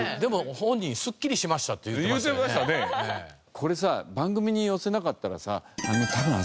これさ番組に寄せなかったらさ。